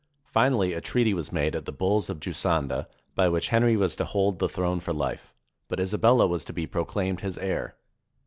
Finally a treaty was made at the Bulls of Giusanda by which Henry was to hold the throne for life, but Isabella was to be proclaimed his heir.